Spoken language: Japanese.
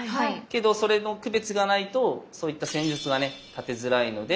けどそれの区別がないとそういった戦術がね立てづらいので。